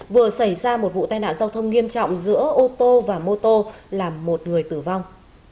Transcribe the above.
vừa xảy ra một vụ tai nạn giao thông nghiêm trọng giữa ô tô và mô tô làm một người tử vong